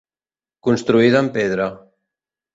Construïda amb pedra.